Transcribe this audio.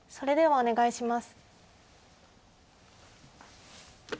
お願いします。